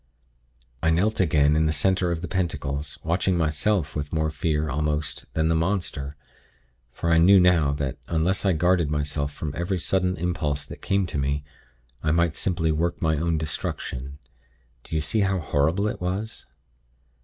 "I knelt again in the center of the pentacles, watching myself with more fear, almost, than the monster; for I knew now that, unless I guarded myself from every sudden impulse that came to me, I might simply work my own destruction. Do you see how horrible it all was?